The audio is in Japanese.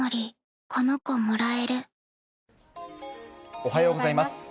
おはようございます。